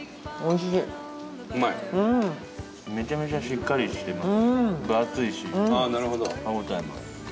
さっぱりしてます。